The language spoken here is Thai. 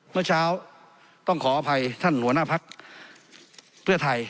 เมื่อเช้าต้องขออภัยท่านหัวหน้าพักเพื่อไทย